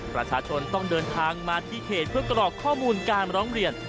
ประชาชนต้องเดินทางมาที่เขตเพื่อกรอกข้อมูลการร้องเรียน